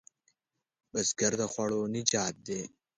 بزګر د خوړو نجات دی